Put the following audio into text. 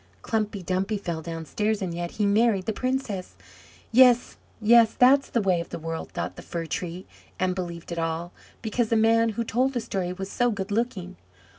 "Klumpy Dumpy fell downstairs, and yet he married the princess! Yes! Yes! that's the way of the world!" thought the Fir tree, and believed it all, because the man who told the story was so good looking.